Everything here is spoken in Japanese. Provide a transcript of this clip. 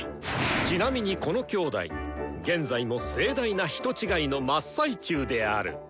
ちなみにこの兄弟現在も盛大な人違いの真っ最中である。